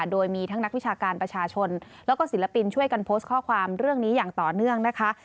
โดยมีทั้งนักวิชาการประชาชนแล้วก็ศิลปินช่วยกันโพสต์ข้อความเรื่องนี้อย่างต่อเนื่องนะคะ